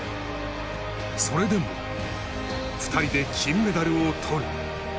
それでも、２人で金メダルをとる。